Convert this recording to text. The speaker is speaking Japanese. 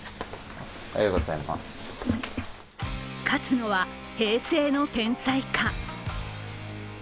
勝つのは平成の天才か。